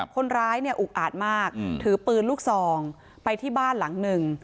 คนร้ายเนี่ยอุกอาดมากถือปืนลูกซองไปที่บ้านหลังหนึ่ง